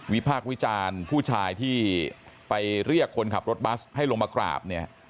พากษ์วิจารณ์ผู้ชายที่ไปเรียกคนขับรถบัสให้ลงมากราบเนี่ย